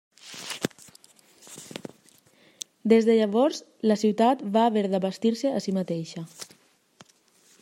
Des de llavors, la ciutat va haver d'abastir-se a si mateixa.